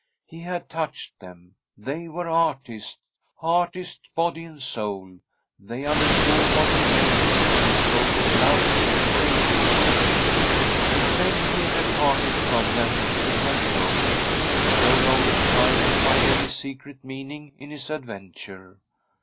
He had touched them. They were artists— [i8] Tbi STORY of a COUNTRY HOUSE artists body and soul ; they understood what he meant when he spoke of love and faithfulness. Then Hede parted from them and went home. He no longer tried to find any secret meaning in his adventure.